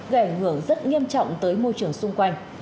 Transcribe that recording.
gây ảnh hưởng rất nghiêm trọng tới môi trường xung quanh